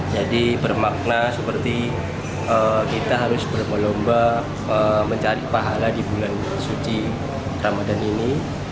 jadi bermakna seperti kita harus berlomba mencari pahala di bulan suci ramadan ini